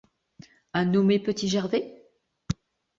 Un nommé Petit-Gervais?